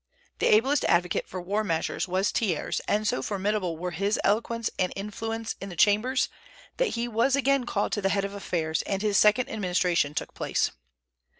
The ablest advocate for war measures was Thiers; and so formidable were his eloquence and influence in the Chambers, that he was again called to the head of affairs, and his second administration took place.